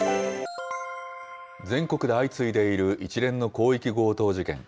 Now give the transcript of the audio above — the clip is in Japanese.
全国で相次いでいる一連の広域強盗事件。